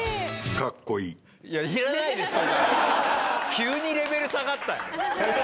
急にレベル下がった。